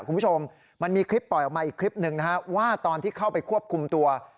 คุณผู้ชมมันมีคลิปปล่อยออกมาอีกคลิปหนึ่งนะฮะว่าตอนที่เข้าไปควบคุมตัว